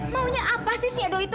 maunya apa sih si ado itu